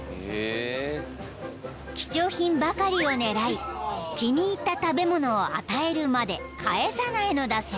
［貴重品ばかりを狙い気に入った食べ物を与えるまで返さないのだそう］